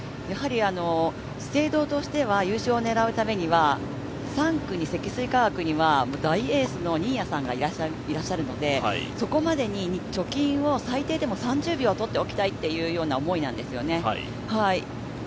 資生堂としては優勝を狙うためには３区の積水化学には大エースの新谷さんがいらっしゃるのでそこまでに貯金を最低でも、３０秒はとっておきたいという思いなんですよね。